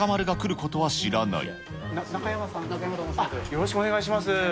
よろしくお願いします。